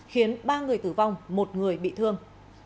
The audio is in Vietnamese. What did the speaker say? khiến ba người tử vong một người bị thương